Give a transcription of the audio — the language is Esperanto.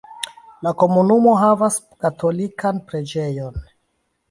La komunumo havas katolikan preĝejon.